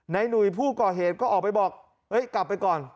หนุ่ยผู้ก่อเหตุก็ออกไปบอกเอ้ยกลับไปก่อน